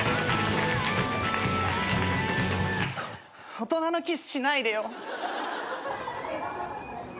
大人のキスしないでよ。